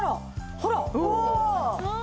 ほら！